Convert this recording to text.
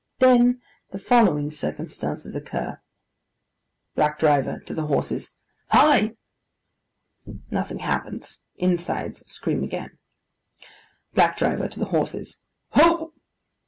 Then the following circumstances occur. BLACK DRIVER (to the horses). 'Hi!' Nothing happens. Insides scream again. BLACK DRIVER (to the horses). 'Ho!